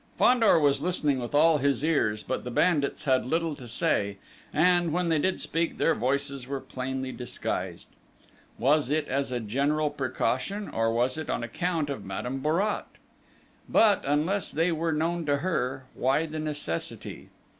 Fandor was listening with all his ears; but the bandits had little to say; and, when they did speak, their voices were plainly disguised. Was it as a general precaution, or was it on account of Madame Bourrat?... But, unless they were known to her, why the necessity?